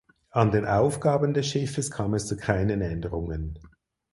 An den Aufgaben des Schiffes kam es zu keinen Änderungen.